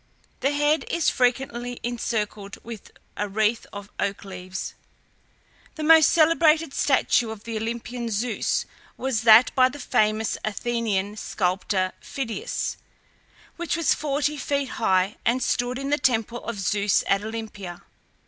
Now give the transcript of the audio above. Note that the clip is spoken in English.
The head is frequently encircled with a wreath of oak leaves. The most celebrated statue of the Olympian Zeus was that by the famous Athenian sculptor Phidias, which was forty feet high, and stood in the temple of Zeus at Olympia.